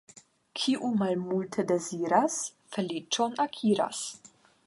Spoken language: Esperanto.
Kiu malmulte deziras, feliĉon akiras.